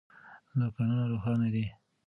دوکانونه روښانه دي.